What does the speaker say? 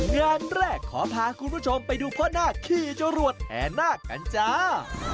งานแรกขอพาคุณผู้ชมไปดูพ่อนาคขี่จรวดแห่นาคกันจ้า